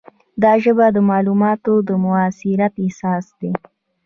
دا ژبه د معلوماتو د موثریت اساس ده.